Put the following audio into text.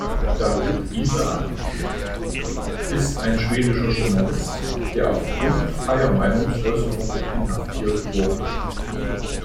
Dawit Isaak ist ein schwedischer Journalist, der aufgrund freier Meinungsäußerung inhaftiert wurde.